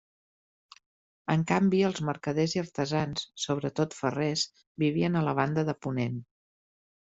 En canvi els mercaders i artesans, sobretot ferrers, vivien a la banda de ponent.